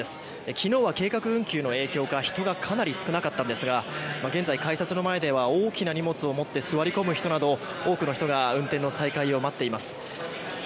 昨日は計画運休の影響か人がかなり少なかったんですが現在、改札の前では大きな荷物を持って座り込む人など多くの人が運転の再開を待っています。